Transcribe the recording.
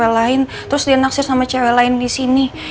banget nanti dia bisa cari cewek lain terus dia nakge sama cewek lain di sini